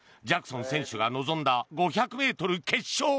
ジャクソン選手が臨んだ５００ｍ決勝。